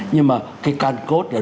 nhưng mà cái can cốt là đúng